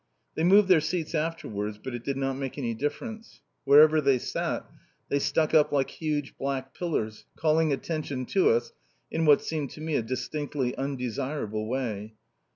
They moved their seats afterwards, but it did not make any difference. Wherever they sat, they stuck up like huge black pillars, calling attention to us in what seemed to me a distinctly undesirable way.